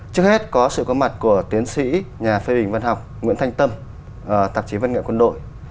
trước hết có sự có mặt của tiến sĩ nhà phê bình văn học nguyễn thanh tâm tạp chí văn nghệ quân đội